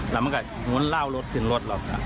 แล้วมันก็วนลาวรถขึ้นรถออก